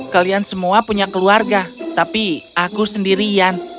kalian semua punya keluarga tapi aku sendirian